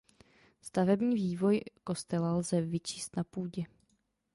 Stavební vývoj kostela lze vyčíst na půdě.